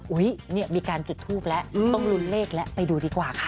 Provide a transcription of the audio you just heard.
มีการจุดทูปแล้วต้องลุ้นเลขแล้วไปดูดีกว่าค่ะ